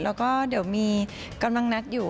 แล้วก็เดี๋ยวมีกำลังนัดอยู่